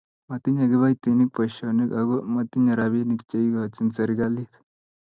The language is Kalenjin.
matinyei kiboitinik boisionik aku matinyei robinik che ikochini serikalit.